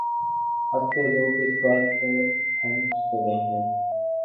اب تو لوگ اس بات پر ہنس پڑتے ہیں۔